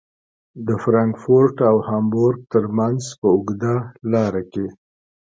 د فرانکفورت او هامبورګ ترمنځ په اوږده لاره کې.